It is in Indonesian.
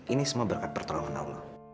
ini semua berkat pertolongan allah